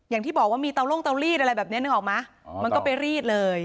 อย่างที่บอกว่ามีเตาลงเตาลีดอะไรแบบนี้นึกออกไหมมันก็ไปรีดเลย